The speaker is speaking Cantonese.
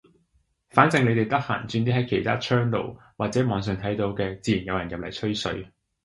反正你哋得閒轉啲喺其他窗爐或者網上睇到嘅，自然有人入嚟吹水。